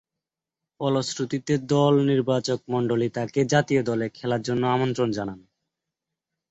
ফলশ্রুতিতে, দল নির্বাচকমণ্ডলী তাকে জাতীয় দলে খেলার জন্যে আমন্ত্রণ জানায়।